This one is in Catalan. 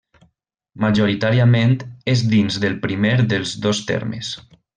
Majoritàriament és dins del primer dels dos termes.